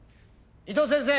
伊藤先生